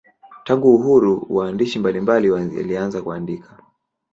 Tangu uhuru waandishi mbalimbali walianza kuandika.